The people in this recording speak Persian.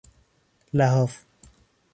لحاف